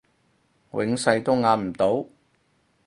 永世都壓唔到